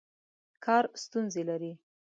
کار ستونزې لري.